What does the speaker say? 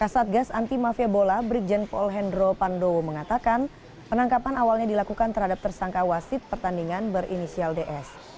kasatgas anti mafia bola brigjen pol hendro pandowo mengatakan penangkapan awalnya dilakukan terhadap tersangka wasit pertandingan berinisial ds